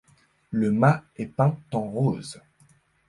Le mât est peint en rose.